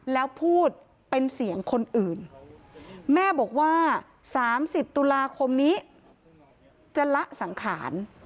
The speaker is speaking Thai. แล้วพูดเป็นเสียงคนอื่นแม่บอกว่า๓๐ตุลาคมนี้จะละสังขาร